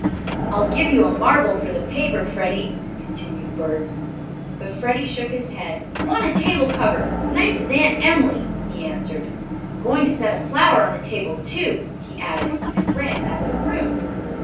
"I'll give you a marble for the paper, Freddie," continued Bert. But Freddie shook his head. "Want a table cover, nice as Aunt Em'ly," he answered. "Going to set a flower on the table too!" he added, and ran out of the room.